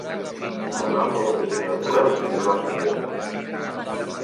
El nom de l'oficina de correus també va canviar.